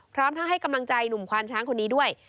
พร้อมทั้งให้กำลังใจหนุ่มควานช้างคนนี้ด้วย